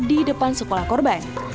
di depan sekolah korban